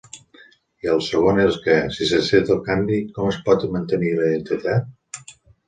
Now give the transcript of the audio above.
I el segon és que, si s'accepta el canvi, com es pot mantenir la identitat?